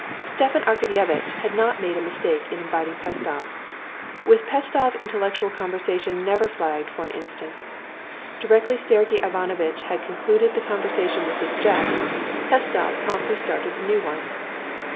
Stepan Arkadyevitch had not made a mistake in inviting Pestsov. With Pestsov intellectual conversation never flagged for an instant. Directly Sergey Ivanovitch had concluded the conversation with his jest, Pestsov promptly started a new one.